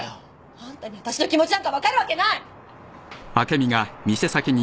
あんたに私の気持ちなんか分かるわけない！